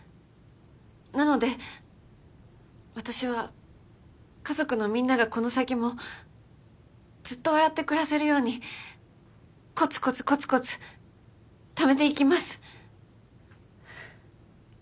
なので私は家族のみんながこの先もずっと笑って暮らせるようにコツコツコツコツためていきます。